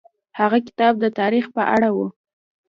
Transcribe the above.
هغه کتاب د تاریخ په اړه و.